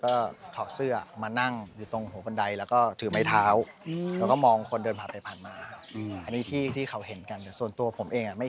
ก็อย่างที่อาจจะเป็นครูปรกรรมที่ก็บอกเป็นผู้หญิงด้วย